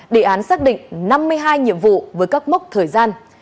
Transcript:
đề án xác định năm mươi hai nhiệm vụ với các mốc thời gian